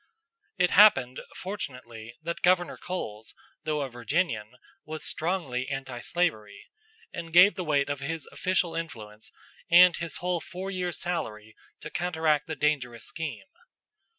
It happened, fortunately, that Governor Coles, though a Virginian, was strongly antislavery, and gave the weight of his official influence and his whole four years' salary to counteract the dangerous scheme.